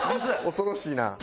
恐ろしいな。